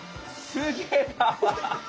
すげえな！